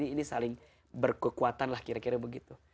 ini saling berkekuatan lah kira kira begitu